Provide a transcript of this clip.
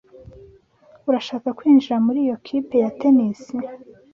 Urashaka kwinjira muri iyo kipe ya tennis?